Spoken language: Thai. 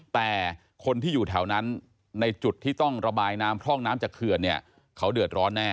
แต่คนที่อยู่แถวนั้นในจุดที่ต้องระบายน้ำพร่องน้ำจากเขื่อนเนี่ยเขาเดือดร้อนแน่